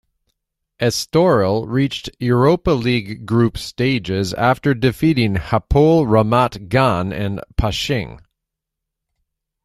Estoril reached Europa League group stages after defeating Hapoel Ramat Gan and Pasching.